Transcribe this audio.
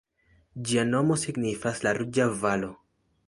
Ĝia nomo signifas "La Ruĝa Valo".